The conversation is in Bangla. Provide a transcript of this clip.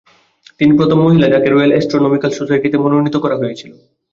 তিনি প্রথম মহিলা যাকে রয়েল অ্যাস্ট্রোনমিক্যাল সোসাইটিতে মনোনীত করা হয়েছিল।